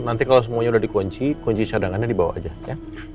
nanti kalau semuanya udah dikunci kunci sedangannya dibawa aja ya